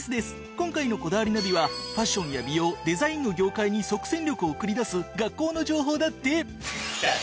今回の『こだわりナビ』はファッションや美容デザインの業界に即戦力を送り出す学校の情報だって！